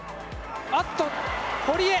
あっと堀江。